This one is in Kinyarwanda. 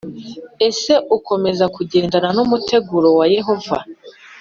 Ese ukomeza kugendana n’umuteguro wa Yehova